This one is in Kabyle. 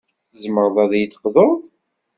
Tzemreḍ ad yi-d-teqḍuḍ?